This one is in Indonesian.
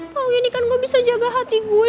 kalau gini kan gue bisa jaga hati gue